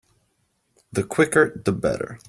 The quicker the better.